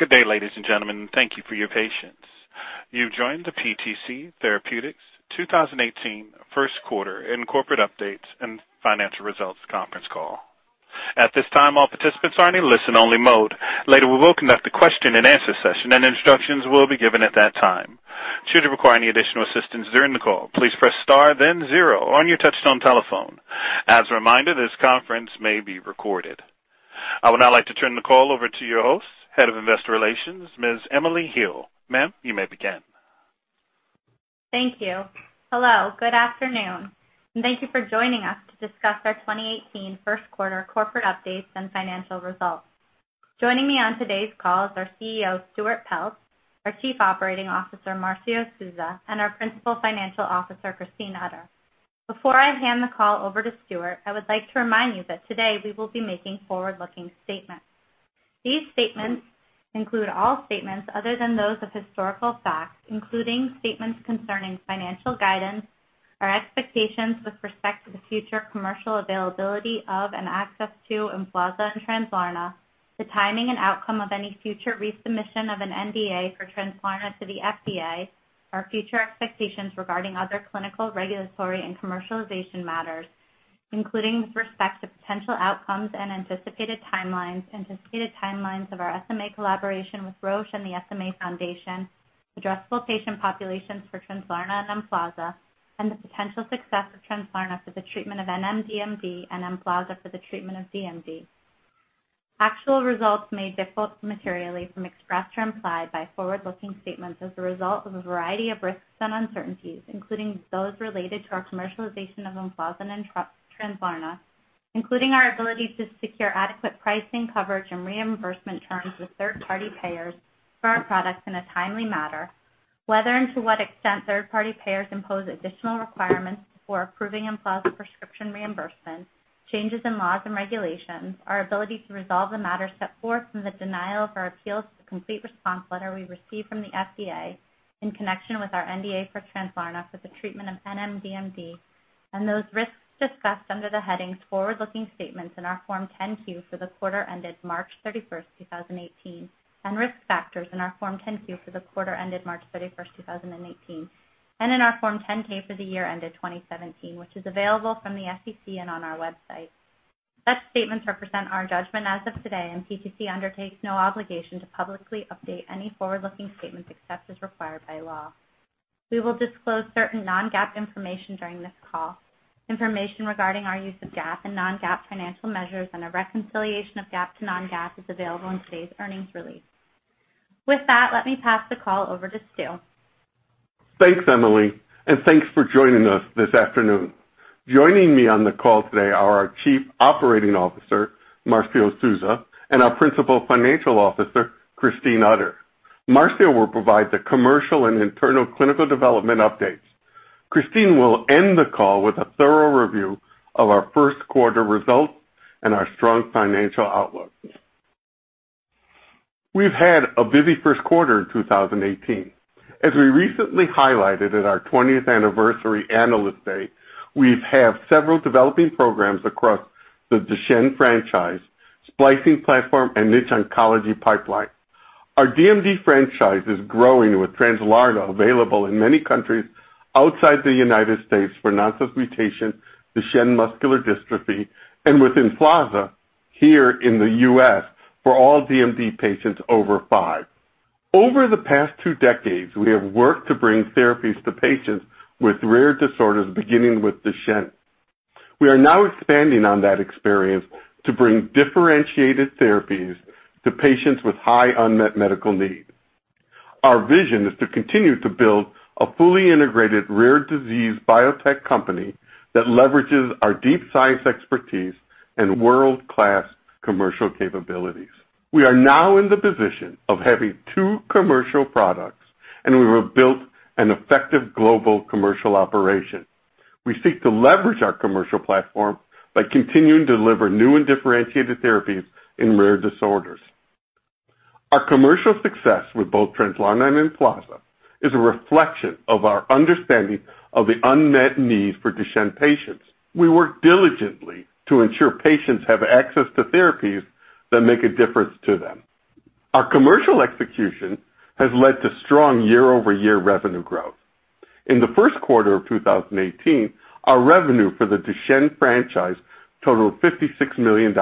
Good day, ladies and gentlemen. Thank you for your patience. You've joined the PTC Therapeutics 2018 first quarter and corporate updates and financial results conference call. At this time, all participants are in a listen only mode. Later, we will conduct a question and answer session, and instructions will be given at that time. Should you require any additional assistance during the call, please press star then zero on your touchtone telephone. As a reminder, this conference may be recorded. I would now like to turn the call over to your host, Head of Investor Relations, Ms. Emily Hill. Ma'am, you may begin. Thank you. Hello, good afternoon, and thank you for joining us to discuss our 2018 first quarter corporate updates and financial results. Joining me on today's call is our CEO, Stuart Peltz, our Chief Operating Officer, Marcio Souza, and our Principal Financial Officer, Christine Utter. Before I hand the call over to Stuart, I would like to remind you that today we will be making forward-looking statements. These statements include all statements other than those of historical facts, including statements concerning financial guidance, our expectations with respect to the future commercial availability of and access to EMFLAZA and Translarna, the timing and outcome of any future resubmission of an NDA for Translarna to the FDA, our future expectations regarding other clinical, regulatory, and commercialization matters, including with respect to potential outcomes and anticipated timelines, anticipated timelines of our SMA collaboration with Roche and the SMA Foundation, addressable patient populations for Translarna and EMFLAZA, and the potential success of Translarna for the treatment of DMD and EMFLAZA for the treatment of DMD. Actual results may differ materially from expressed or implied by forward-looking statements as a result of a variety of risks and uncertainties, including those related to our commercialization of EMFLAZA and Translarna, including our ability to secure adequate pricing, coverage, and reimbursement terms with third-party payers for our products in a timely manner, whether and to what extent third-party payers impose additional requirements before approving EMFLAZA prescription reimbursement, changes in laws and regulations, our ability to resolve the matter set forth from the denial of our appeals to the complete response letter we received from the FDA in connection with our NDA for Translarna for the treatment of DMD, and those risks discussed under the headings Forward-Looking Statements in our Form 10-Q for the quarter ended March 31st, 2018 and Risk Factors in our Form 10-Q for the quarter ended March 31st, 2018, and in our Form 10-K for the year ended 2017, which is available from the SEC and on our website. Such statements represent our judgment as of today, PTC undertakes no obligation to publicly update any forward-looking statements except as required by law. We will disclose certain non-GAAP information during this call. Information regarding our use of GAAP and non-GAAP financial measures and a reconciliation of GAAP to non-GAAP is available in today's earnings release. With that, let me pass the call over to Stu. Thanks, Emily, thanks for joining us this afternoon. Joining me on the call today are our Chief Operating Officer, Marcio Souza, and our Principal Financial Officer, Christine Utter. Marcio will provide the commercial and internal clinical development updates. Christine will end the call with a thorough review of our first quarter results and our strong financial outlook. We've had a busy first quarter in 2018. As we recently highlighted at our 20th anniversary Analyst Day, we have several developing programs across the Duchenne franchise, splicing platform, and niche oncology pipeline. Our DMD franchise is growing, with Translarna available in many countries outside the U.S. for nonsense mutation, Duchenne muscular dystrophy, and with EMFLAZA here in the U.S. for all DMD patients over five. Over the past two decades, we have worked to bring therapies to patients with rare disorders, beginning with Duchenne. We are now expanding on that experience to bring differentiated therapies to patients with high unmet medical need. Our vision is to continue to build a fully integrated rare disease biotech company that leverages our deep science expertise and world-class commercial capabilities. We are now in the position of having two commercial products, we have built an effective global commercial operation. We seek to leverage our commercial platform by continuing to deliver new and differentiated therapies in rare disorders. Our commercial success with both Translarna and EMFLAZA is a reflection of our understanding of the unmet need for Duchenne patients. We work diligently to ensure patients have access to therapies that make a difference to them. Our commercial execution has led to strong year-over-year revenue growth. In the first quarter of 2018, our revenue for the Duchenne franchise totaled $56 million.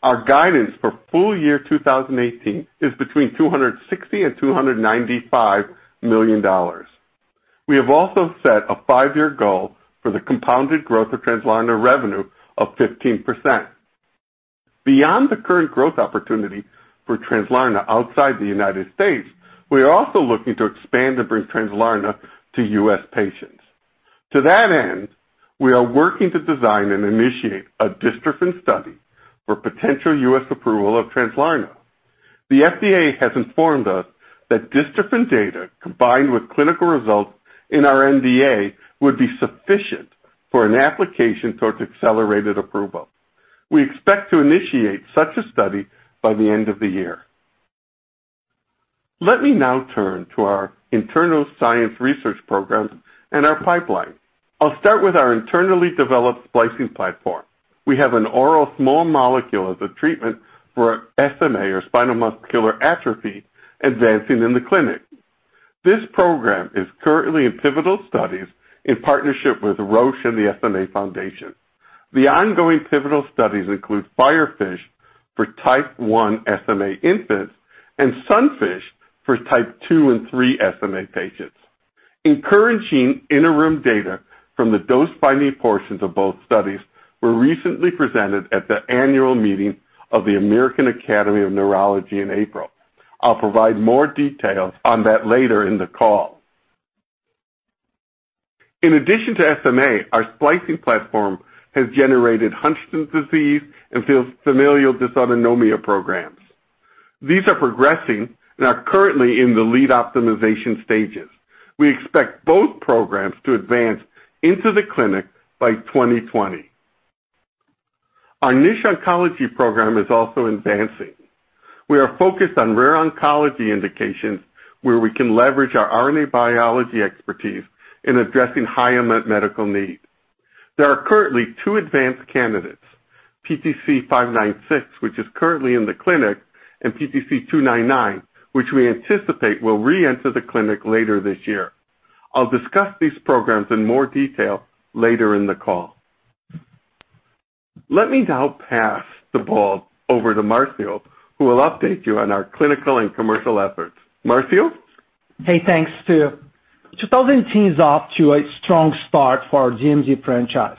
Our guidance for full year 2018 is between $260 million and $295 million. We have also set a five-year goal for the compounded growth of Translarna revenue of 15%. Beyond the current growth opportunity for Translarna outside the U.S., we are also looking to expand and bring Translarna to U.S. patients. To that end, we are working to design and initiate a dystrophin study for potential U.S. approval of Translarna. The FDA has informed us that dystrophin data combined with clinical results in our NDA would be sufficient for an application towards accelerated approval. We expect to initiate such a study by the end of the year. Let me now turn to our internal science research programs and our pipeline. I'll start with our internally developed splicing platform. We have an oral small molecule as a treatment for SMA, or spinal muscular atrophy, advancing in the clinic. This program is currently in pivotal studies in partnership with Roche and the SMA Foundation. The ongoing pivotal studies include FIREFISH for type 1 SMA infants and SUNFISH for type 2 and 3 SMA patients. Encouraging interim data from the dose-finding portions of both studies were recently presented at the annual meeting of the American Academy of Neurology in April. I'll provide more details on that later in the call. In addition to SMA, our splicing platform has generated Huntington's disease and familial dysautonomia programs. These are progressing and are currently in the lead optimization stages. We expect both programs to advance into the clinic by 2020. Our niche oncology program is also advancing. We are focused on rare oncology indications where we can leverage our RNA biology expertise in addressing high medical needs. There are currently two advanced candidates, PTC596, which is currently in the clinic, and PTC299, which we anticipate will reenter the clinic later this year. I'll discuss these programs in more detail later in the call. Let me now pass the ball over to Marcio, who will update you on our clinical and commercial efforts. Marcio? Hey, thanks, Stu. 2018 is off to a strong start for our DMD franchise,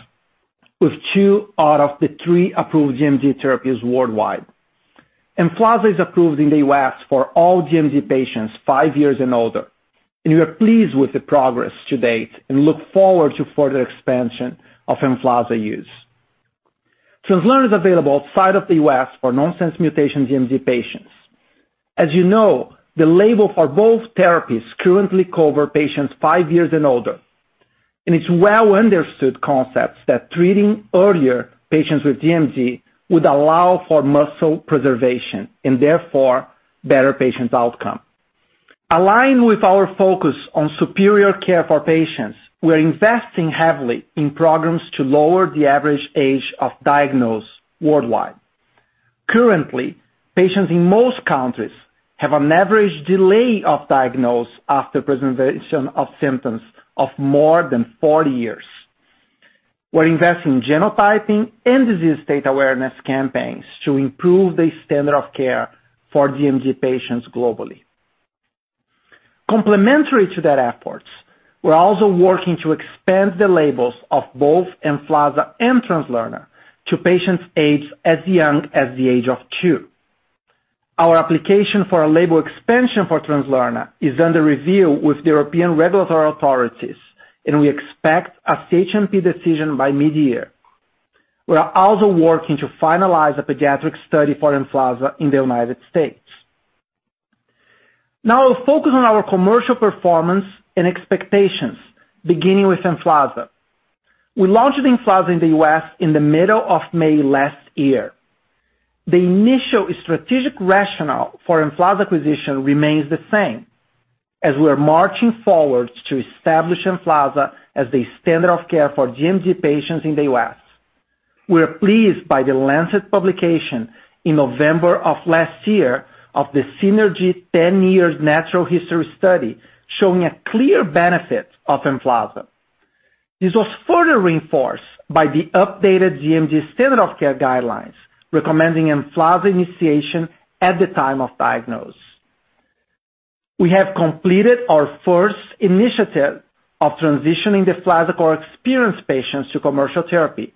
with two out of the three approved DMD therapies worldwide. EMFLAZA is approved in the U.S. for all DMD patients five years and older, and we are pleased with the progress to date and look forward to further expansion of EMFLAZA use. Translarna is available outside of the U.S. for nonsense mutation DMD patients. As you know, the label for both therapies currently cover patients five years and older. It's well-understood concepts that treating earlier patients with DMD would allow for muscle preservation and therefore better patient outcome. Aligned with our focus on superior care for patients, we are investing heavily in programs to lower the average age of diagnosis worldwide. Currently, patients in most countries have an average delay of diagnosis after presentation of symptoms of more than four years. We're investing in genotyping and disease state awareness campaigns to improve the standard of care for DMD patients globally. Complementary to that efforts, we're also working to expand the labels of both EMFLAZA and Translarna to patients aged as young as the age of two. Our application for a label expansion for Translarna is under review with European regulatory authorities, and we expect a CHMP decision by mid-year. We are also working to finalize a pediatric study for EMFLAZA in the United States. Now I'll focus on our commercial performance and expectations, beginning with EMFLAZA. We launched EMFLAZA in the U.S. in the middle of May last year. The initial strategic rationale for EMFLAZA acquisition remains the same as we are marching forward to establish EMFLAZA as the standard of care for DMD patients in the U.S. We are pleased by the SYNERGY ten-year natural history study showing a clear benefit of Emflaza. This was further reinforced by the updated DMD standard of care guidelines, recommending Emflaza initiation at the time of diagnosis. We have completed our first initiative of transitioning deflazacort-experienced patients to commercial therapy,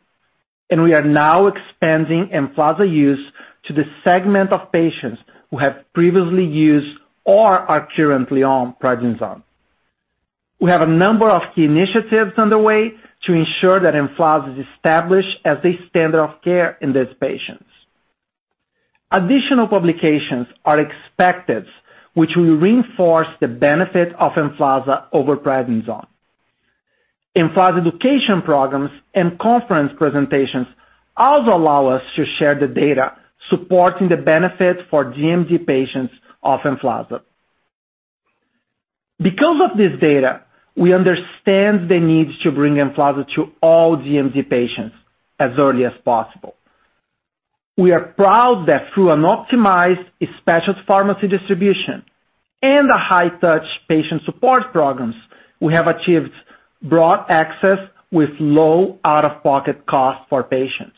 and we are now expanding Emflaza use to the segment of patients who have previously used or are currently on prednisone. We have a number of key initiatives underway to ensure that Emflaza is established as a standard of care in these patients. Additional publications are expected, which will reinforce the benefit of Emflaza over prednisone. Emflaza education programs and conference presentations also allow us to share the data supporting the benefit for DMD patients of Emflaza. Because of this data, we understand the need to bring Emflaza to all DMD patients as early as possible. We are proud that through an optimized specialist pharmacy distribution and a high-touch patient support programs, we have achieved broad access with low out-of-pocket costs for patients.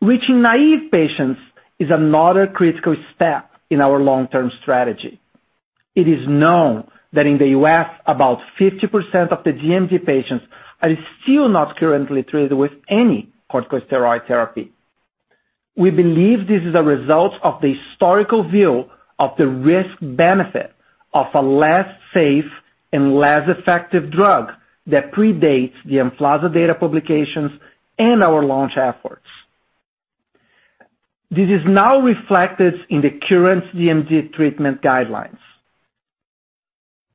Reaching naive patients is another critical step in our long-term strategy. It is known that in the U.S., about 50% of the DMD patients are still not currently treated with any corticosteroid therapy. We believe this is a result of the historical view of the risk-benefit of a less safe and less effective drug that predates the Emflaza data publications and our launch efforts. This is now reflected in the current DMD treatment guidelines.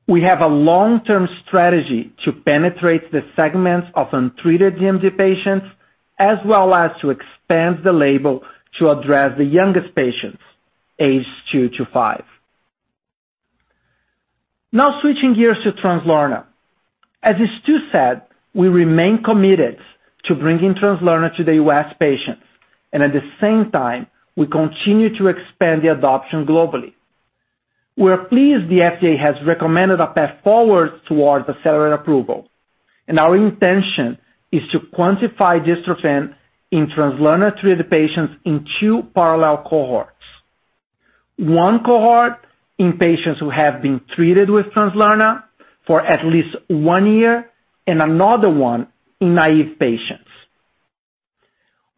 We have a long-term strategy to penetrate the segments of untreated DMD patients, as well as to expand the label to address the youngest patients, aged 2 to 5. Now switching gears to Translarna. As Stuart said, we remain committed to bringing Translarna to the U.S. patients, and at the same time, we continue to expand the adoption globally. We're pleased the FDA has recommended a path forward towards accelerated approval, and our intention is to quantify dystrophin in Translarna-treated patients in two parallel cohorts. One cohort in patients who have been treated with Translarna for at least 1 year, and another one in naive patients.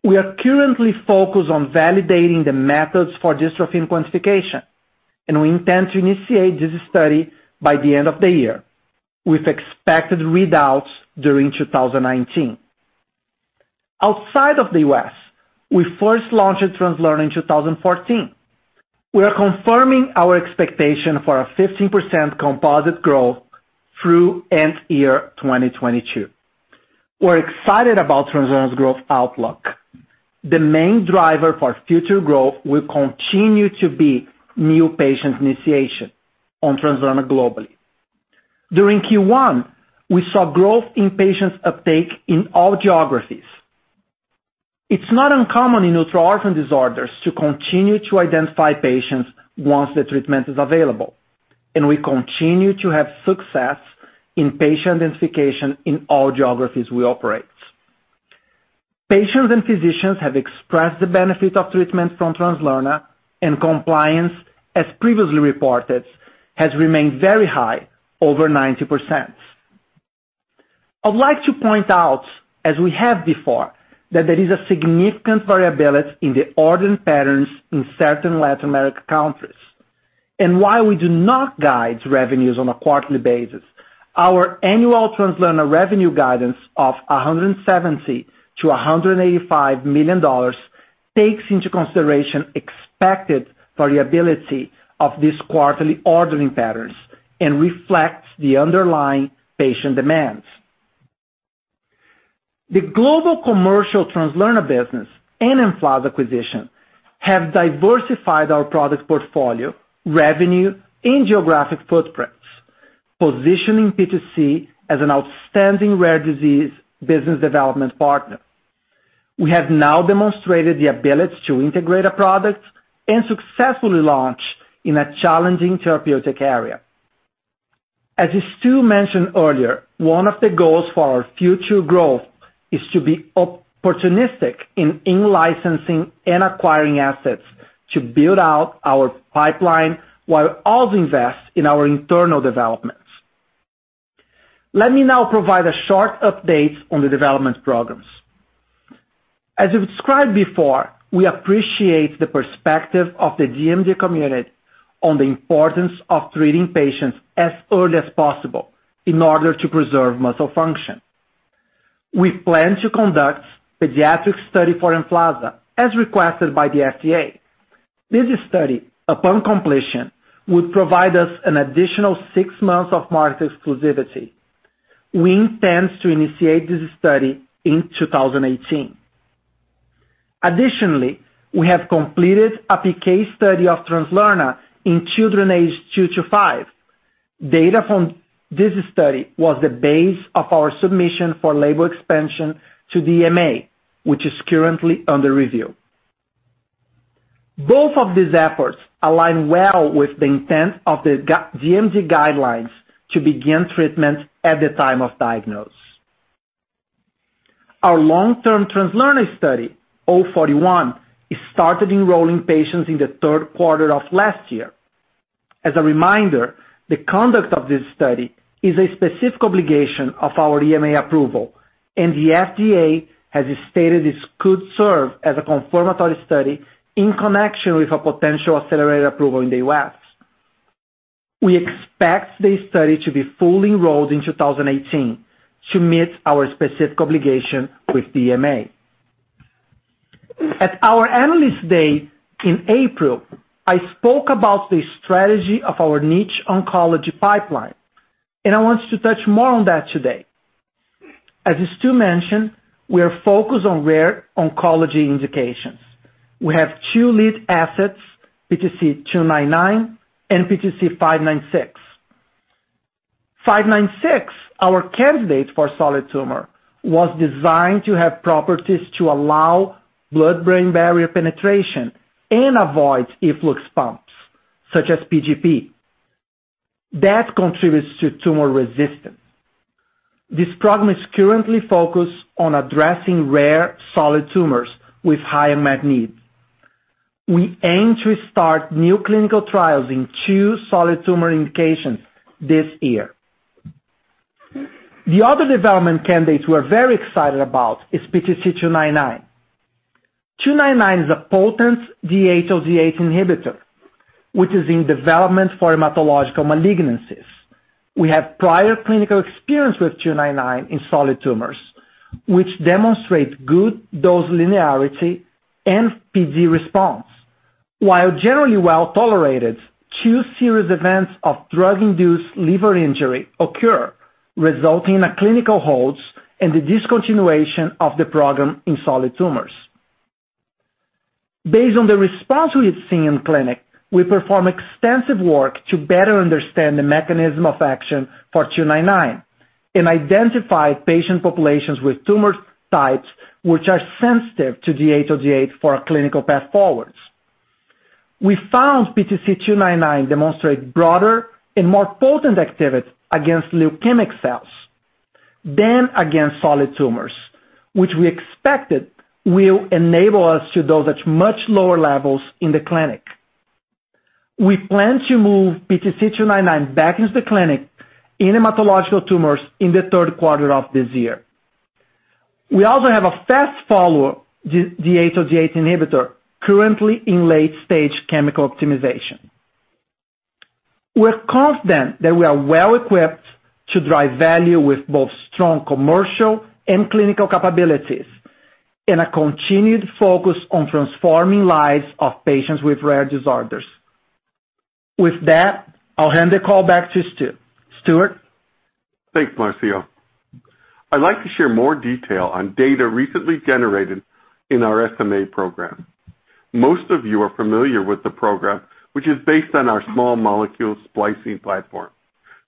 We are currently focused on validating the methods for dystrophin quantification, and we intend to initiate this study by the end of the year, with expected readouts during 2019. Outside of the U.S., we first launched Translarna in 2014. We are confirming our expectation for a 15% composite growth through end year 2022. We're excited about Translarna's growth outlook. The main driver for future growth will continue to be new patient initiation on Translarna globally. During Q1, we saw growth in patients uptake in all geographies. It's not uncommon in ultra-orphan disorders to continue to identify patients once the treatment is available, and we continue to have success in patient identification in all geographies we operate. Patients and physicians have expressed the benefit of treatment from Translarna, and compliance, as previously reported, has remained very high, over 90%. I'd like to point out, as we have before, that there is a significant variability in the ordering patterns in certain Latin America countries. While we do not guide revenues on a quarterly basis, our annual Translarna revenue guidance of $170 million-$185 million takes into consideration expected variability of these quarterly ordering patterns and reflects the underlying patient demands. The global commercial Translarna business and EMFLAZA acquisition have diversified our product portfolio, revenue, and geographic footprints, positioning PTC as an outstanding rare disease business development partner. We have now demonstrated the ability to integrate a product and successfully launch in a challenging therapeutic area. As Stu mentioned earlier, one of the goals for our future growth is to be opportunistic in in-licensing and acquiring assets to build out our pipeline, while also invest in our internal developments. Let me now provide a short update on the development programs. As described before, we appreciate the perspective of the DMD community on the importance of treating patients as early as possible in order to preserve muscle function. We plan to conduct pediatric study for EMFLAZA as requested by the FDA. This study, upon completion, would provide us an additional six months of market exclusivity. We intend to initiate this study in 2018. Additionally, we have completed a PK study of Translarna in children aged two to five. Data from this study was the base of our submission for label expansion to DMD, which is currently under review. Both of these efforts align well with the intent of the DMD guidelines to begin treatment at the time of diagnosis. Our long-term Translarna study, 041, started enrolling patients in the third quarter of last year. As a reminder, the conduct of this study is a specific obligation of our EMA approval, and the FDA has stated this could serve as a confirmatory study in connection with a potential accelerated approval in the U.S. We expect the study to be fully enrolled in 2018 to meet our specific obligation with DMD. At our Analyst Day in April, I spoke about the strategy of our niche oncology pipeline, and I want to touch more on that today. As Stu mentioned, we are focused on rare oncology indications. We have two lead assets, PTC299 and PTC596. 596, our candidate for solid tumor, was designed to have properties to allow blood-brain barrier penetration and avoid efflux pumps, such as P-gp. That contributes to tumor resistance. This program is currently focused on addressing rare solid tumors with high unmet need. We aim to start new clinical trials in two solid tumor indications this year. The other development candidate we're very excited about is PTC299. 299 is a potent DHODH inhibitor, which is in development for hematological malignancies. We have prior clinical experience with 299 in solid tumors, which demonstrate good dose linearity and PD response. While generally well-tolerated, two serious events of drug-induced liver injury occur, resulting in clinical holds and the discontinuation of the program in solid tumors. Based on the response we have seen in the clinic, we perform extensive work to better understand the mechanism of action for 299 and identify patient populations with tumor types which are sensitive to DHODH for our clinical path forwards. We found PTC299 demonstrate broader and more potent activity against leukemic cells than against solid tumors, which we expected will enable us to dose at much lower levels in the clinic. We plan to move PTC299 back into the clinic in hematological tumors in the third quarter of this year. We also have a fast-follow DHODH inhibitor currently in late-stage chemical optimization. We're confident that we are well-equipped to drive value with both strong commercial and clinical capabilities and a continued focus on transforming lives of patients with rare disorders. With that, I'll hand the call back to Stu. Stuart? Thanks, Marcio. I'd like to share more detail on data recently generated in our SMA program. Most of you are familiar with the program, which is based on our small molecule splicing platform.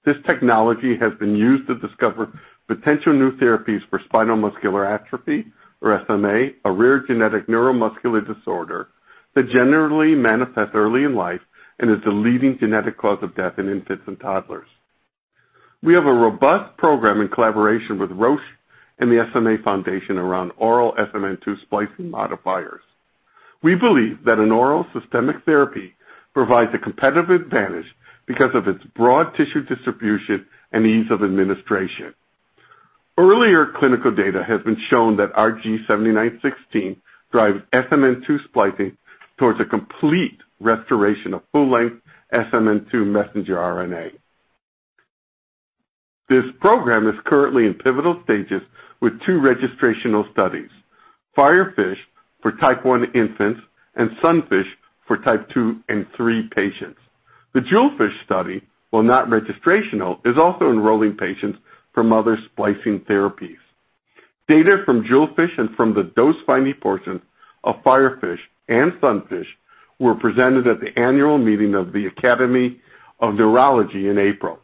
This technology has been used to discover potential new therapies for spinal muscular atrophy, or SMA, a rare genetic neuromuscular disorder that generally manifests early in life and is the leading genetic cause of death in infants and toddlers. We have a robust program in collaboration with Roche and the SMA Foundation around oral SMN2 splicing modifiers. We believe that an oral systemic therapy provides a competitive advantage because of its broad tissue distribution and ease of administration. Earlier clinical data has been shown that RG7916 drives SMN2 splicing towards a complete restoration of full-length SMN2 messenger RNA. This program is currently in pivotal stages with two registrational studies, FIREFISH for type 1 infants and SUNFISH for type 2 and 3 patients. The JEWELFISH study, while not registrational, is also enrolling patients from other splicing therapies. Data from JEWELFISH and from the dose-finding portion of FIREFISH and SUNFISH were presented at the annual meeting of the American Academy of Neurology in April.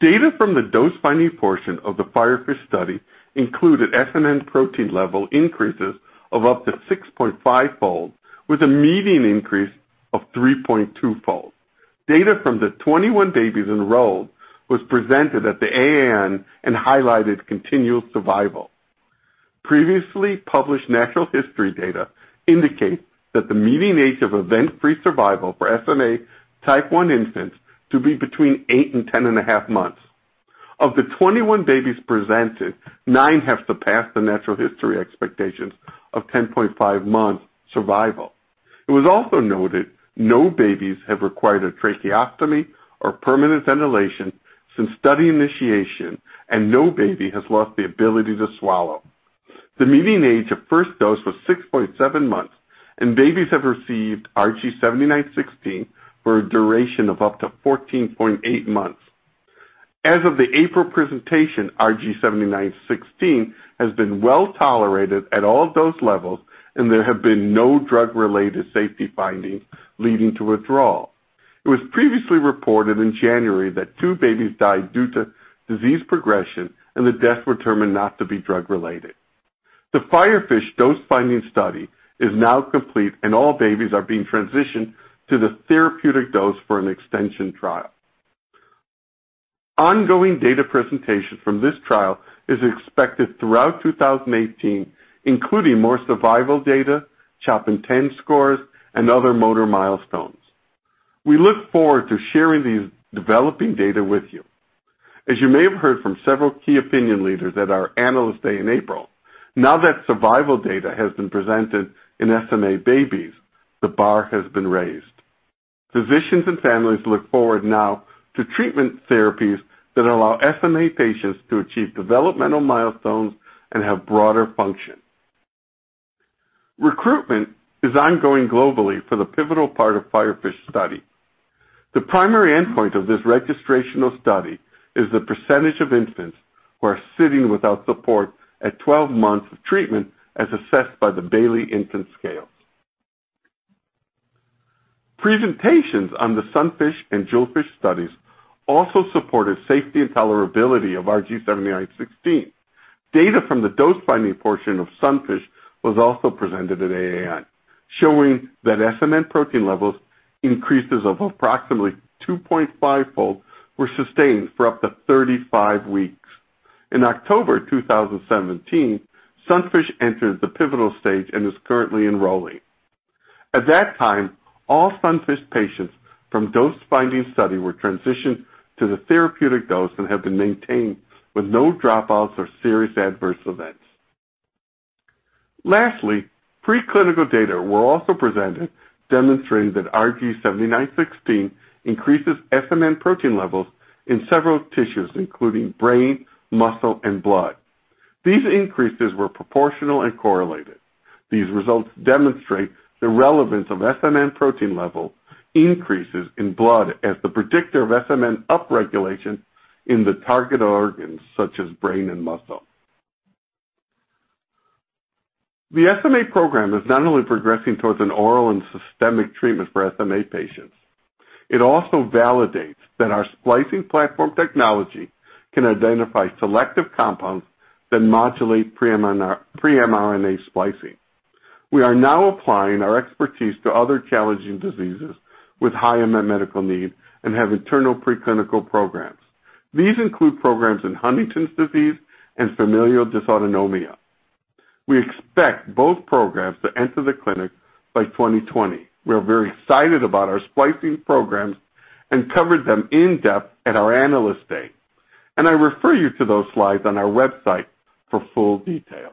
Data from the dose-finding portion of the FIREFISH study included SMN protein level increases of up to 6.5-fold, with a median increase of 3.2-fold. Data from the 21 babies enrolled was presented at the AAN and highlighted continual survival. Previously published natural history data indicate that the median age of event-free survival for SMA type 1 infants to be between eight and ten and a half months. Of the 21 babies presented, nine have surpassed the natural history expectations of 10.5 months survival. It was also noted no babies have required a tracheostomy or permanent ventilation since study initiation, and no baby has lost the ability to swallow. The median age at first dose was 6.7 months, and babies have received RG7916 for a duration of up to 14.8 months. As of the April presentation, RG7916 has been well-tolerated at all dose levels, and there have been no drug-related safety findings leading to withdrawal. It was previously reported in January that two babies died due to disease progression, and the death was determined not to be drug-related. The FIREFISH dose-finding study is now complete, and all babies are being transitioned to the therapeutic dose for an extension trial. Ongoing data presentation from this trial is expected throughout 2018, including more survival data, CHOP-INTEND scores, and other motor milestones. We look forward to sharing these developing data with you. As you may have heard from several key opinion leaders at our Analyst Day in April, now that survival data has been presented in SMA babies, the bar has been raised. Physicians and families look forward now to treatment therapies that allow SMA patients to achieve developmental milestones and have broader function. Recruitment is ongoing globally for the pivotal part of FIREFISH study. The primary endpoint of this registrational study is the percentage of infants who are sitting without support at 12 months of treatment as assessed by the Bayley Infant Scale. Presentations on the SUNFISH and JEWELFISH studies also supported safety and tolerability of RG-7916. Data from the dose-finding portion of SUNFISH was also presented at AAN, showing that SMN protein levels increases of approximately 2.5-fold were sustained for up to 35 weeks. In October 2017, SUNFISH entered the pivotal stage and is currently enrolling. At that time, all SUNFISH patients from dose-finding study were transitioned to the therapeutic dose and have been maintained with no dropouts or serious adverse events. Lastly, preclinical data were also presented demonstrating that RG-7916 increases SMN protein levels in several tissues, including brain, muscle, and blood. These increases were proportional and correlated. These results demonstrate the relevance of SMN protein level increases in blood as the predictor of SMN upregulation in the target organs, such as brain and muscle. The SMA program is not only progressing towards an oral and systemic treatment for SMA patients, it also validates that our splicing platform technology can identify selective compounds that modulate pre-mRNA splicing. We are now applying our expertise to other challenging diseases with high unmet medical need and have internal preclinical programs. These include programs in Huntington's disease and familial dysautonomia. We expect both programs to enter the clinic by 2020. We are very excited about our splicing programs and covered them in depth at our Analyst Day. I refer you to those slides on our website for full details.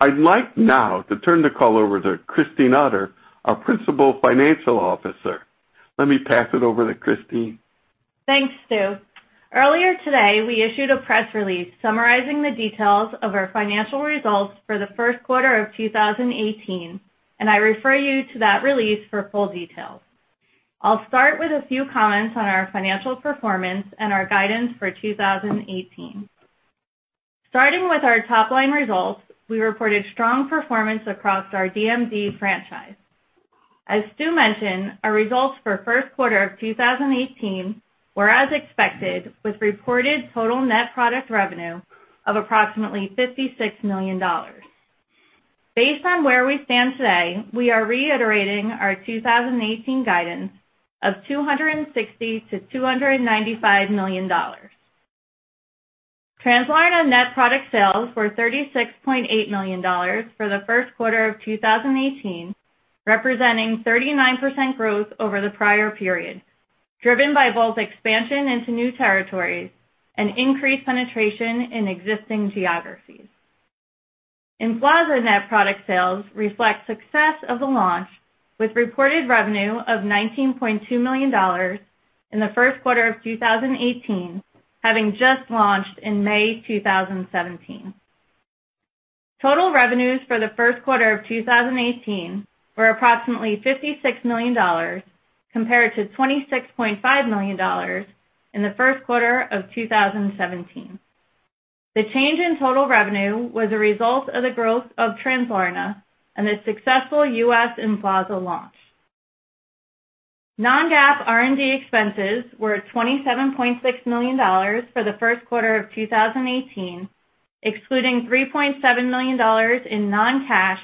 I'd like now to turn the call over to Christine Utter, our Principal Financial Officer. Let me pass it over to Christine. Thanks, Stu. Earlier today, we issued a press release summarizing the details of our financial results for the first quarter of 2018. I refer you to that release for full details. I'll start with a few comments on our financial performance and our guidance for 2018. Starting with our top-line results, we reported strong performance across our DMD franchise. As Stu mentioned, our results for first quarter of 2018 were as expected, with reported total net product revenue of approximately $56 million. Based on where we stand today, we are reiterating our 2018 guidance of $260 million-$295 million. Translarna net product sales were $36.8 million for the first quarter of 2018, representing 39% growth over the prior period, driven by both expansion into new territories and increased penetration in existing geographies. EMFLAZA net product sales reflect success of the launch, with reported revenue of $19.2 million in the first quarter of 2018, having just launched in May 2017. Total revenues for the first quarter of 2018 were approximately $56 million compared to $26.5 million in the first quarter of 2017. The change in total revenue was a result of the growth of Translarna and the successful U.S. EMFLAZA launch. Non-GAAP R&D expenses were $27.6 million for the first quarter of 2018, excluding $3.7 million in non-cash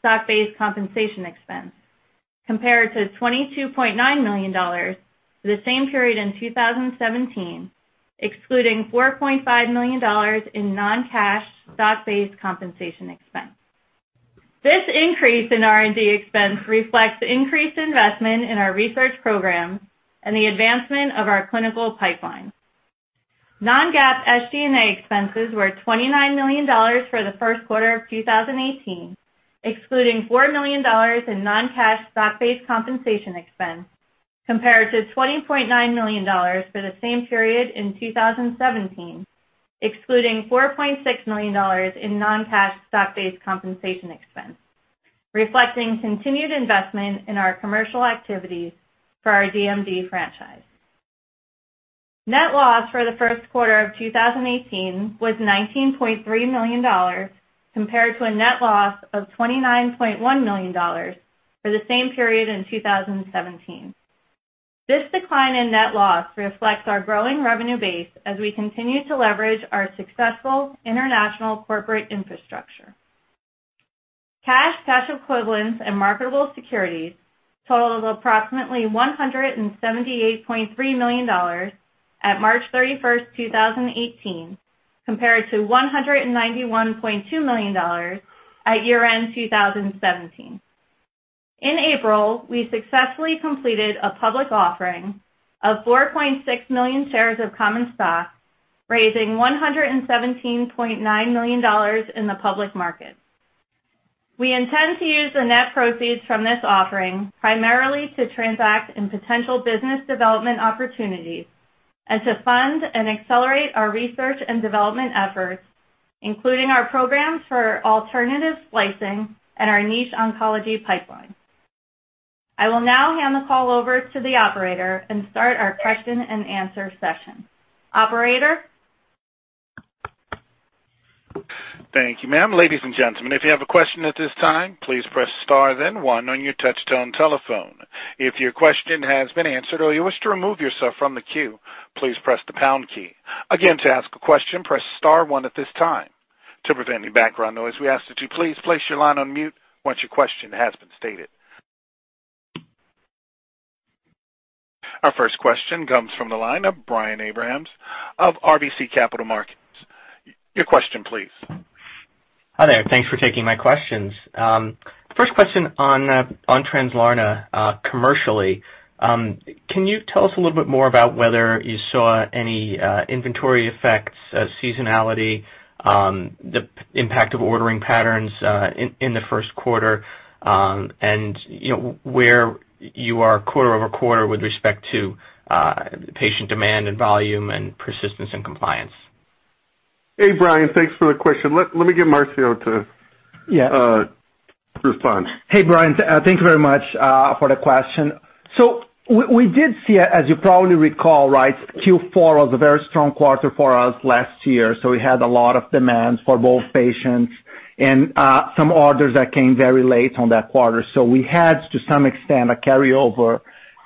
stock-based compensation expense, compared to $22.9 million for the same period in 2017, excluding $4.5 million in non-cash stock-based compensation expense. This increase in R&D expense reflects increased investment in our research programs and the advancement of our clinical pipeline. Non-GAAP SG&A expenses were $29 million for the first quarter of 2018, excluding $4 million in non-cash stock-based compensation expense, compared to $20.9 million for the same period in 2017, excluding $4.6 million in non-cash stock-based compensation expense, reflecting continued investment in our commercial activities for our DMD franchise. Net loss for the first quarter of 2018 was $19.3 million compared to a net loss of $29.1 million for the same period in 2017. This decline in net loss reflects our growing revenue base as we continue to leverage our successful international corporate infrastructure. Cash, cash equivalents, and marketable securities totaled approximately $178.3 million at March 31st, 2018, compared to $191.2 million at year-end 2017. In April, we successfully completed a public offering of 4.6 million shares of common stock, raising $117.9 million in the public market. We intend to use the net proceeds from this offering primarily to transact in potential business development opportunities and to fund and accelerate our research and development efforts, including our programs for alternative splicing and our niche oncology pipeline. I will now hand the call over to the operator and start our question and answer session. Operator? Thank you, ma'am. Ladies and gentlemen, if you have a question at this time, please press star then one on your touch-tone telephone. If your question has been answered or you wish to remove yourself from the queue, please press the pound key. Again, to ask a question, press star one at this time. To prevent any background noise, we ask that you please place your line on mute once your question has been stated. Our first question comes from the line of Brian Abrahams of RBC Capital Markets. Your question, please. Hi there. Thanks for taking my questions. First question on Translarna commercially. Can you tell us a little bit more about whether you saw any inventory effects, seasonality, the impact of ordering patterns in the first quarter, and where you are quarter-over-quarter with respect to patient demand and volume and persistence and compliance? Hey, Brian. Thanks for the question. Let me get Marcio to- Yeah respond. Hey, Brian. Thank you very much for the question. We did see, as you probably recall, Q4 was a very strong quarter for us last year. We had a lot of demands for both patients and some orders that came very late on that quarter. We had, to some extent, a carryover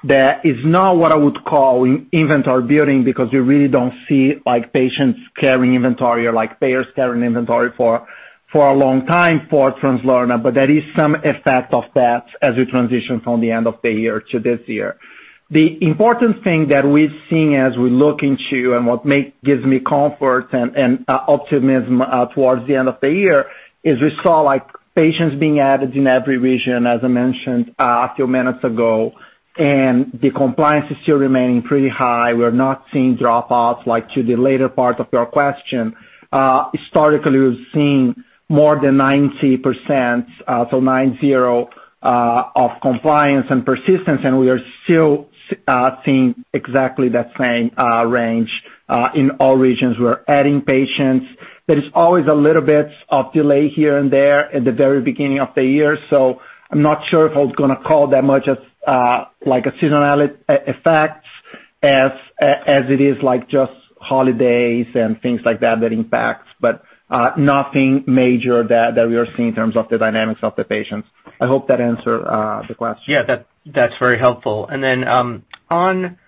that is not what I would call inventory building, because you really don't see patients carrying inventory or payers carrying inventory for a long time for Translarna, but there is some effect of that as we transition from the end of the year to this year. The important thing that we've seen as we look into, and what gives me comfort and optimism towards the end of the year is we saw patients being added in every region, as I mentioned a few minutes ago. The compliance is still remaining pretty high. We're not seeing drop-offs like to the later part of your question. Historically, we've seen more than 90%, so nine, zero, of compliance and persistence, and we are still seeing exactly that same range in all regions. We're adding patients. There is always a little bit of delay here and there at the very beginning of the year. I'm not sure if I was going to call that much as a seasonality effect as it is like just holidays and things like that impacting. Nothing major that we are seeing in terms of the dynamics of the patients. I hope that answered the question. Yeah, that's very helpful. Then on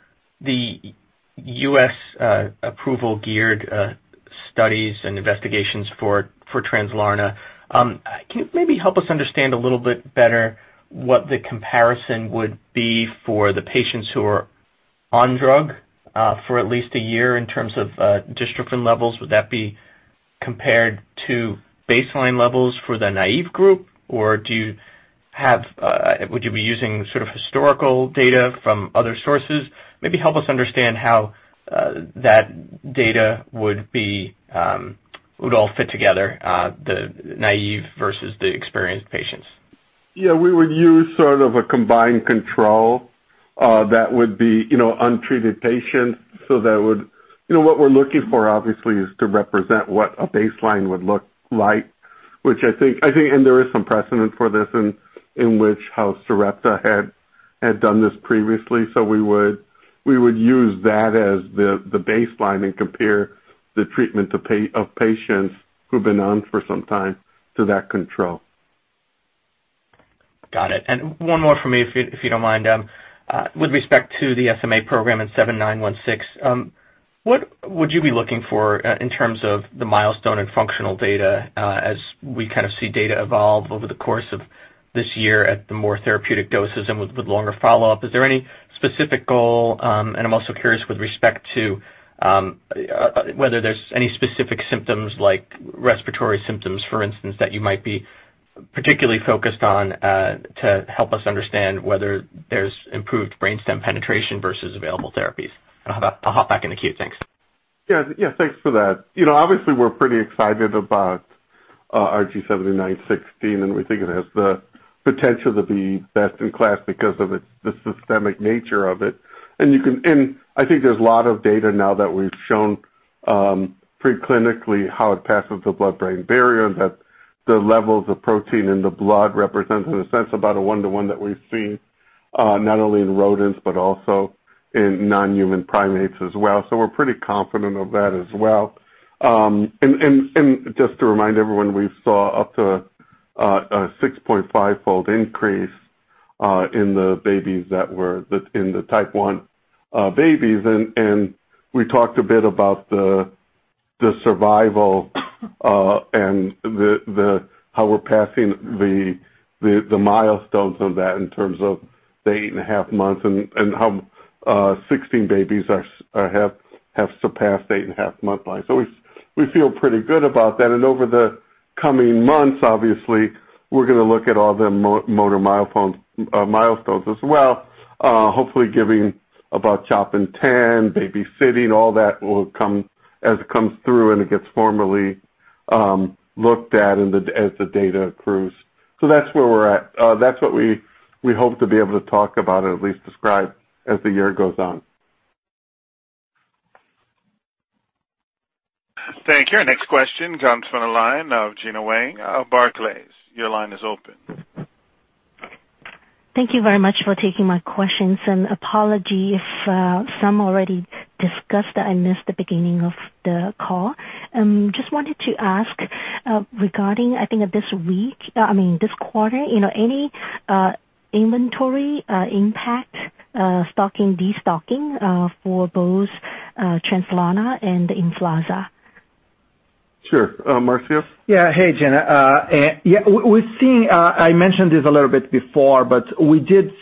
the U.S. approval-geared studies and investigations for Translarna, can you maybe help us understand a little bit better what the comparison would be for the patients who are on drug for at least a year in terms of dystrophin levels? Would that be compared to baseline levels for the naive group? Would you be using sort of historical data from other sources? Maybe help us understand how that data would all fit together, the naive versus the experienced patients. Yeah. We would use sort of a combined control that would be untreated patients. What we're looking for, obviously, is to represent what a baseline would look like, and there is some precedent for this in which how Sarepta had done this previously. We would use that as the baseline and compare the treatment of patients who've been on for some time to that control. Got it. One more from me, if you don't mind. With respect to the SMA program in RG7916, what would you be looking for in terms of the milestone and functional data as we kind of see data evolve over the course of this year at the more therapeutic doses and with longer follow-up? Is there any specific goal? I'm also curious with respect to whether there's any specific symptoms like respiratory symptoms, for instance, that you might be particularly focused on to help us understand whether there's improved brainstem penetration versus available therapies. I'll hop back in the queue. Thanks. Yeah. Thanks for that. Obviously, we're pretty excited about RG7916, we think it has the potential to be best in class because of the systemic nature of it. I think there's a lot of data now that we've shown pre-clinically how it passes the blood-brain barrier, and that the levels of protein in the blood represent, in a sense, about a one-to-one that we've seen not only in rodents but also in non-human primates as well. We're pretty confident of that as well. Just to remind everyone, we saw up to a 6.5-fold increase in the type 1 babies. We talked a bit about the survival and how we're passing the milestones of that in terms of the eight and a half months, and how 16 babies have surpassed eight and a half month line. We feel pretty good about that. Over the coming months, obviously, we're going to look at all the motor milestones as well. Hopefully giving about CHOP-INTEND 10 baby sitting, all that will come as it comes through and it gets formally looked at as the data accrues. That's where we're at. That's what we hope to be able to talk about or at least describe as the year goes on. Thank you. Our next question comes from the line of Gena Wang, Barclays. Your line is open. Thank you very much for taking my questions. Apologies if some already discussed that I missed the beginning of the call. Just wanted to ask regarding, I think this quarter, any inventory impact stocking, de-stocking for both Translarna and EMFLAZA? Sure. Marcio? Hey, Gena. I mentioned this a little bit before. We did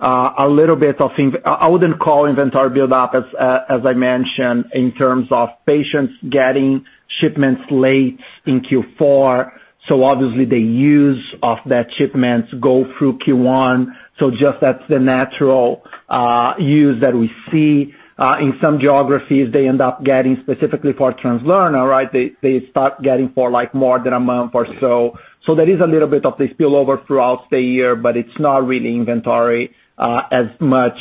see a little bit of, I wouldn't call inventory build-up as I mentioned, in terms of patients getting shipments late in Q4. Obviously the use of that shipment goes through Q1. Just that's the natural use that we see. In some geographies, they end up getting specifically for Translarna, they start getting for more than a month or so. There is a little bit of the spillover throughout the year, but it's not really inventory as much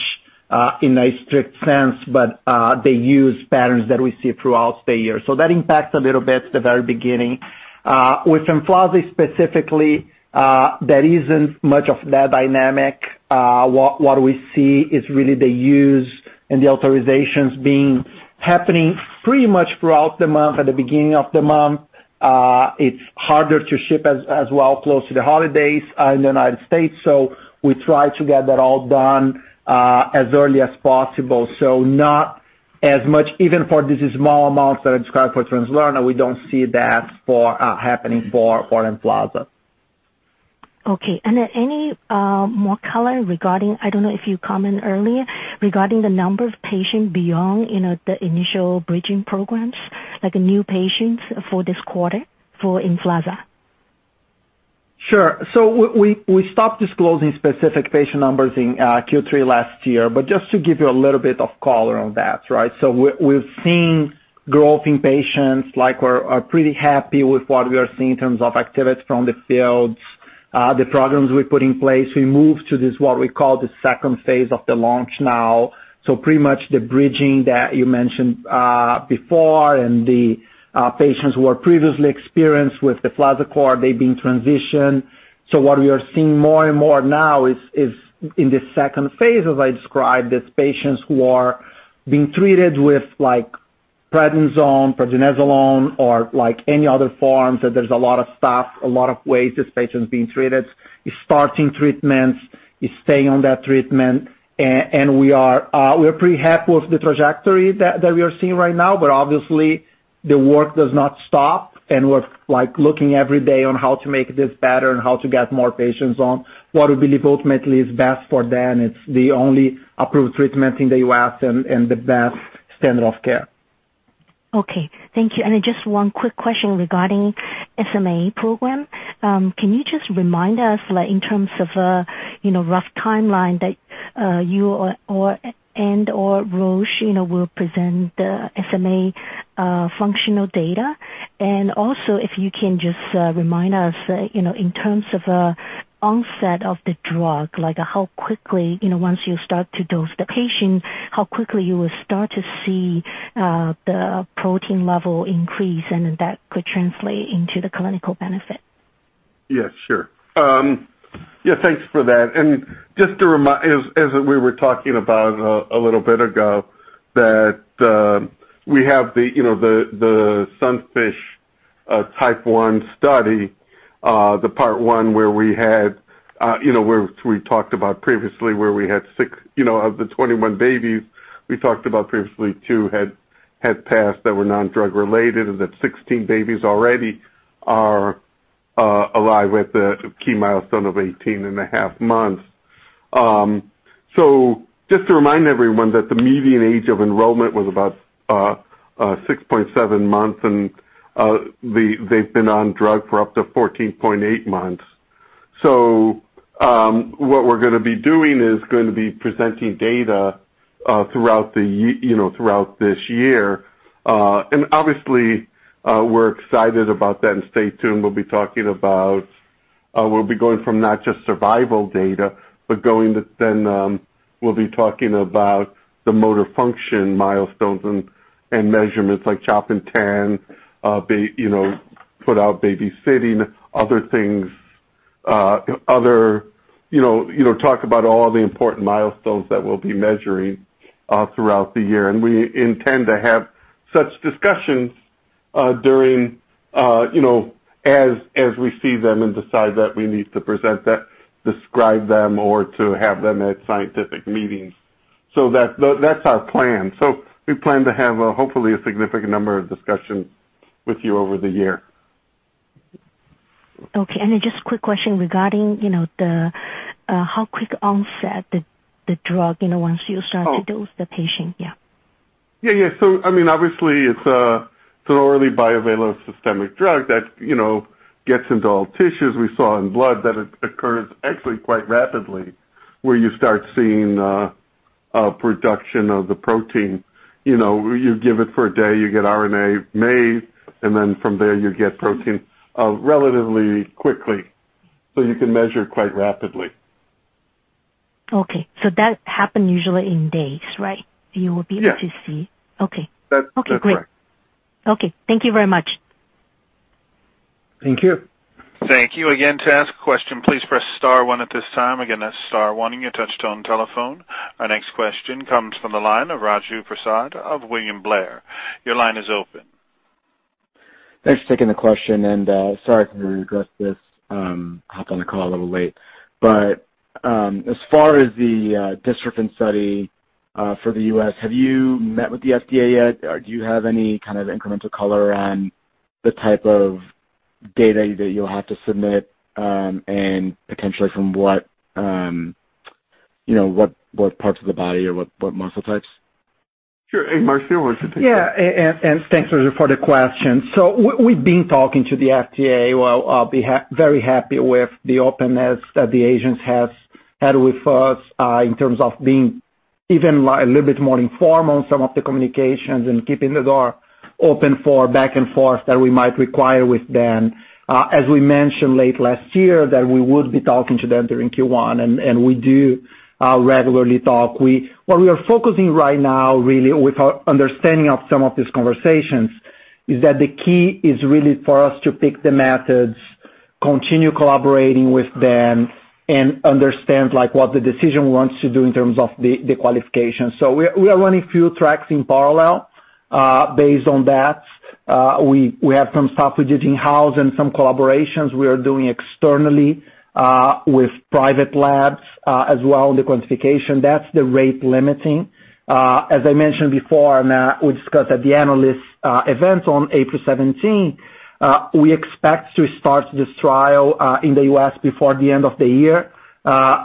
in a strict sense, but they use patterns that we see throughout the year. That impacts a little bit at the very beginning. With EMFLAZA specifically, there isn't much of that dynamic. What we see is really the use and the authorizations happening pretty much throughout the month, at the beginning of the month. It's harder to ship as well close to the holidays in the U.S., we try to get that all done as early as possible. Not as much, even for these small amounts that are described for Translarna, we don't see that happening for EMFLAZA. Any more color regarding, I don't know if you comment earlier, regarding the number of patients beyond the initial bridging programs, like new patients for this quarter for EMFLAZA? Sure. We stopped disclosing specific patient numbers in Q3 last year, just to give you a little bit of color on that. We've seen growth in patients. We're pretty happy with what we are seeing in terms of activity from the fields. The programs we put in place, we moved to this what we call the phase II of the launch now. Pretty much the bridging that you mentioned before and the patients who are previously experienced with deflazacort, they've been transitioned. What we are seeing more and more now is in this phase II, as I described, is patients who are being treated with prednisone, prednisolone, or any other forms, that there's a lot of stuff, a lot of ways these patients are being treated. It's starting treatments, it's staying on that treatment. We are pretty happy with the trajectory that we are seeing right now. Obviously, the work does not stop, and we're looking every day on how to make this better and how to get more patients on what we believe ultimately is best for them. It's the only approved treatment in the U.S. and the best standard of care. Okay. Thank you. Just one quick question regarding SMA program. Can you just remind us, in terms of a rough timeline that you and/or Roche will present the SMA functional data? Also, if you can just remind us, in terms of onset of the drug, once you start to dose the patient, how quickly you will start to see the protein level increase, and then that could translate into the clinical benefit? Yeah, sure. Thanks for that. Just to remind, as we were talking about a little bit ago, that we have the SUNFISH type 1 study, the part 1 where we talked about previously where we had six of the 21 babies we talked about previously, two had passed that were non-drug related, and that 16 babies already are alive with the key milestone of 18 and a half months. Just to remind everyone that the median age of enrollment was about 6.7 months, and they've been on drug for up to 14.8 months. What we're going to be doing is going to be presenting data throughout this year. Obviously, we're excited about that. Stay tuned. We'll be going from not just survival data, but going to then we'll be talking about the motor function milestones and measurements like CHOP-INTEND, put out baby sitting, other things. Talk about all the important milestones that we'll be measuring throughout the year. We intend to have such discussions as we see them and decide that we need to present them, describe them, or to have them at scientific meetings. That's our plan. We plan to have hopefully a significant number of discussions with you over the year. Okay. Just a quick question regarding how quick onset the drug, once you start to dose the patient. Yeah. Yeah. Obviously, it's an orally bioavailable systemic drug that gets into all tissues. We saw in blood that it occurs actually quite rapidly, where you start seeing a production of the protein. You give it for a day, you get RNA made, and then from there you get protein relatively quickly. You can measure quite rapidly. Okay. That happen usually in days, right? You will be able- Yeah to see? Okay. That's correct. Okay, great. Okay, thank you very much. Thank you. Thank you. Again, to ask a question, please press star one at this time. Again, that's star one on your touchtone telephone. Our next question comes from the line of Raju Prasad of William Blair. Your line is open. Thanks for taking the question. Sorry if I missed this. Hopped on the call a little late. As far as the dystrophin study for the U.S., have you met with the FDA yet, or do you have any kind of incremental color on the type of data that you'll have to submit, and potentially from what parts of the body or what muscle types? Sure. Marcio wants to take that. Yeah. Thanks for the question. We've been talking to the FDA. Well, I'll be very happy with the openness that the agency have had with us in terms of being even a little bit more informal on some of the communications and keeping the door open for back and forth that we might require with them. As we mentioned late last year, that we would be talking to them during Q1, and we do regularly talk. What we are focusing right now, really, with our understanding of some of these conversations is that the key is really for us to pick the methods, continue collaborating with them, and understand what the decision wants to do in terms of the qualification. We are running a few tracks in parallel based on that. We have some stuff we did in-house and some collaborations we are doing externally with private labs as well on the quantification. That's the rate limiting. As I mentioned before, and we discussed at the analyst event on April 17, we expect to start this trial in the U.S. before the end of the year.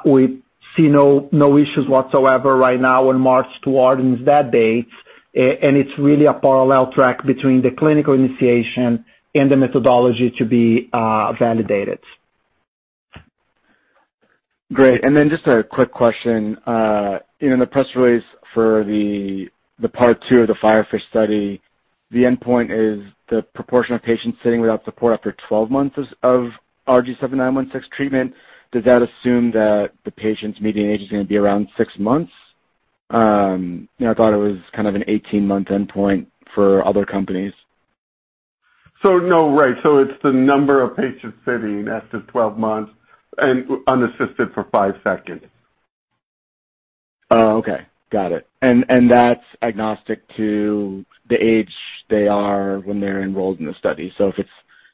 We see no issues whatsoever right now on march towards that date, and it's really a parallel track between the clinical initiation and the methodology to be validated. Great. Just a quick question. In the press release for the part 2 of the FIREFISH study, the endpoint is the proportion of patients sitting without support after 12 months of RG7916 treatment. Does that assume that the patient's median age is going to be around six months? I thought it was kind of an 18-month endpoint for other companies. No, right. It's the number of patients sitting after 12 months and unassisted for five seconds. That's agnostic to the age they are when they're enrolled in the study. If it's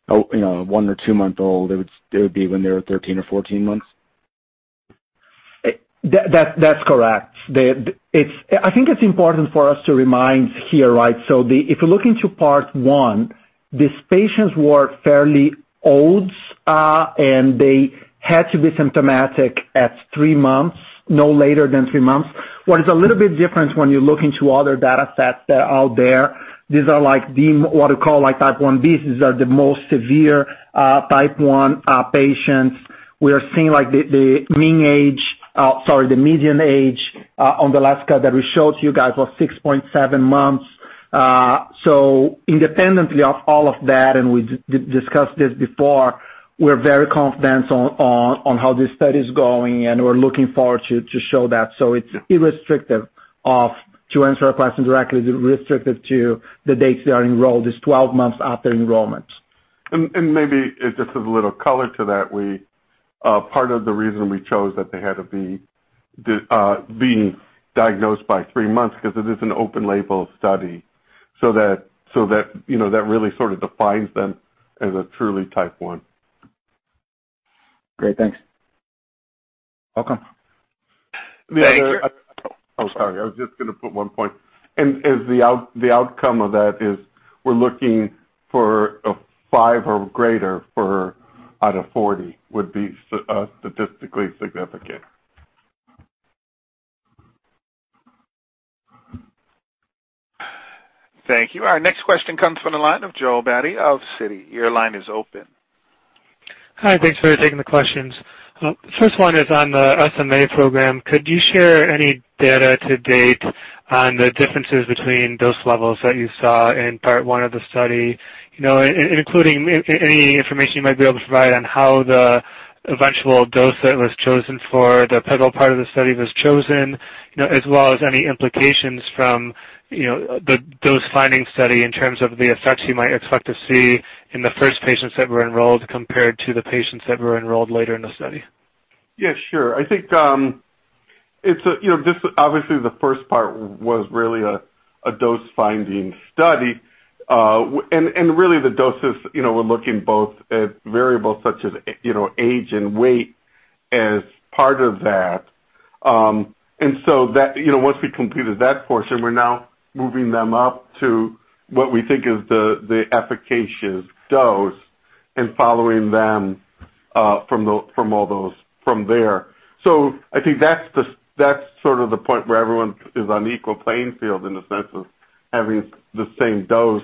one or two month old, it would be when they're 13 or 14 months. That's correct. I think it's important for us to remind here, right? If you look into part 1, these patients were fairly old, and they had to be symptomatic at three months, no later than three months. What is a little bit different when you look into other data sets that are out there, these are what we call type 1. These are the most severe type 1 patients. We are seeing the mean age, sorry, the median age on the last slide that we showed you guys was 6.7 months. Independently of all of that, and we discussed this before, we're very confident on how this study is going, and we're looking forward to show that. It's irrestrictive of, to answer our question directly, irrestrictive to the dates they are enrolled, is 12 months after enrollment. Maybe just as a little color to that, part of the reason we chose that they had to be being diagnosed by three months because it is an open-label study. That really sort of defines them as a truly type 1. Great. Thanks. Welcome. Thank you. Sorry. I was just going to put one point. As the outcome of that is we're looking for a five or greater out of 40 would be statistically significant. Thank you. Our next question comes from the line of Joel Beatty of Citi. Your line is open. Hi, thanks for taking the questions. First one is on the SMA program. Could you share any data to date on the differences between dose levels that you saw in part one of the study, including any information you might be able to provide on how the eventual dose that was chosen for the pivotal part of the study was chosen, as well as any implications from the dose finding study in terms of the effects you might expect to see in the first patients that were enrolled compared to the patients that were enrolled later in the study? Yeah, sure. I think, obviously the first part was really a dose finding study. Really the doses, we're looking both at variables such as age and weight as part of that. Once we completed that portion, we're now moving them up to what we think is the efficacious dose and following them from all those from there. I think that's sort of the point where everyone is on equal playing field in the sense of having the same dose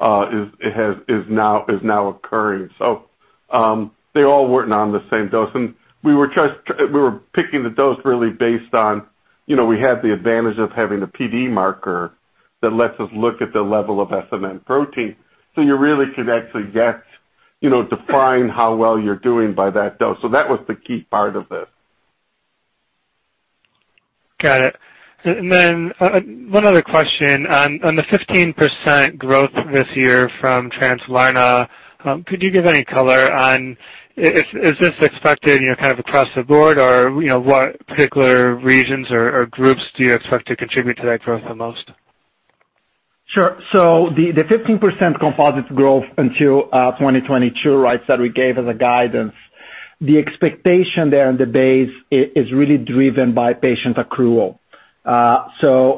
is now occurring. They all weren't on the same dose, and we were picking the dose really based on, we had the advantage of having a PD marker that lets us look at the level of SMN protein. You really could actually get, define how well you're doing by that dose. That was the key part of this. Got it. One other question. On the 15% growth this year from Translarna, could you give any color on is this expected, kind of across the board or what particular regions or groups do you expect to contribute to that growth the most? The 15% composite growth until 2022 that we gave as a guidance, the expectation there on the base is really driven by patient accrual.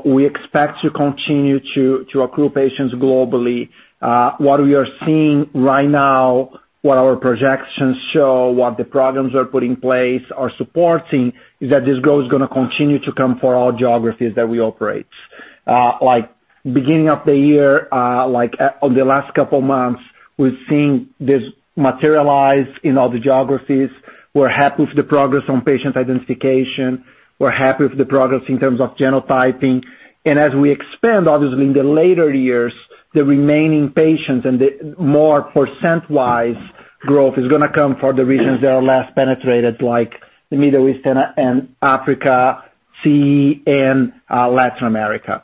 We expect to continue to accrue patients globally. What we are seeing right now, what our projections show, what the programs we've put in place are supporting is that this growth is going to continue to come for all geographies that we operate. Beginning of the year, on the last couple of months, we're seeing this materialize in all the geographies. We're happy with the progress on patient identification. We're happy with the progress in terms of genotyping. As we expand, obviously in the later years, the remaining patients and the more percent-wise growth is going to come for the regions that are less penetrated, like the Middle East and Africa, CEE, and Latin America.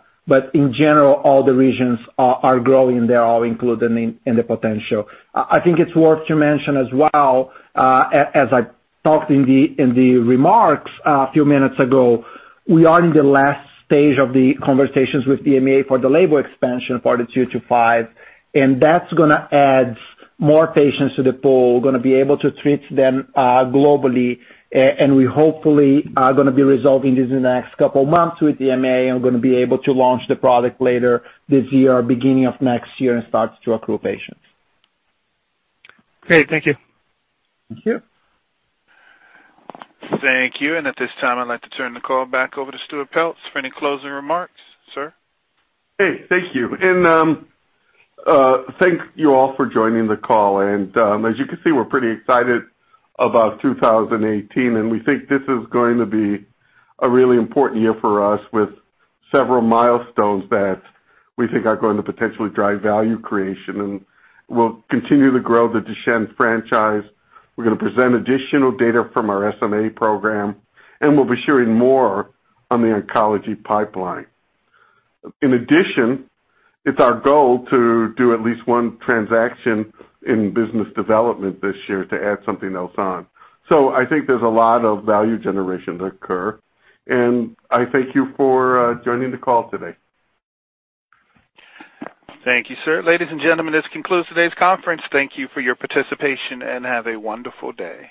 In general, all the regions are growing. They're all included in the potential. I think it's worth to mention as well, as I talked in the remarks a few minutes ago, we are in the last stage of the conversations with the EMA for the label expansion for the two to five, and that's going to add more patients to the pool. We're going to be able to treat them globally, and we hopefully are going to be resolving this in the next couple of months with the EMA and going to be able to launch the product later this year or beginning of next year and start to accrue patients. Great. Thank you. Thank you. Thank you. At this time, I'd like to turn the call back over to Stuart Peltz for any closing remarks. Sir? Hey, thank you. Thank you all for joining the call. As you can see, we're pretty excited about 2018, and we think this is going to be a really important year for us with several milestones that we think are going to potentially drive value creation. We'll continue to grow the Duchenne franchise. We're going to present additional data from our SMA program, and we'll be sharing more on the oncology pipeline. In addition, it's our goal to do at least one transaction in business development this year to add something else on. I think there's a lot of value generation to occur, and I thank you for joining the call today. Thank you, sir. Ladies and gentlemen, this concludes today's conference. Thank you for your participation and have a wonderful day.